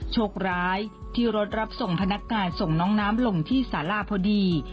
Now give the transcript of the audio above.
โชคร้ายที่รถรับส่งพนักงานส่งน้องน้ำลงที่สาราพอดี